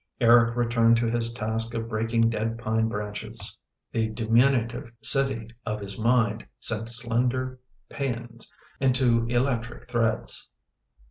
Eric returned to his task of breaking dead pine branches. The diminutive city of his mind sent slender paeans into electric threads.